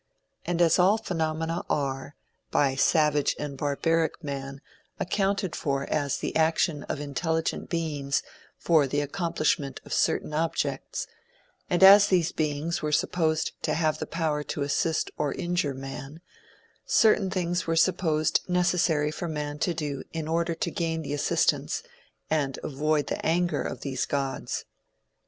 And as all phenomena are, by savage and barbaric man accounted for as the action of intelligent beings for the accomplishment of certain objects, and as these beings were supposed to have the power to assist or injure man, certain things were supposed necessary for man to do in order to gain the assistance, and avoid the anger of these gods.